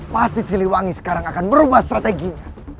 pasti siliwangi sekarang akan merubah strateginya